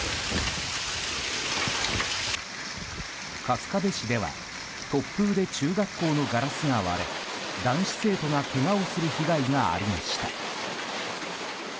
春日部市では突風で中学校のガラスが割れ男子生徒がけがをする被害がありました。